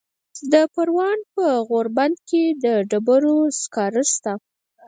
د پروان په غوربند کې د ډبرو سکاره شته.